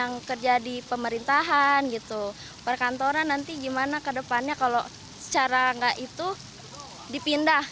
yang kerja di pemerintahan gitu perkantoran nanti gimana ke depannya kalau secara nggak itu dipindah